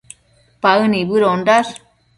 Paë nibëdondash